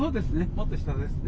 もっと下ですね。